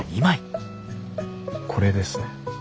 これですね。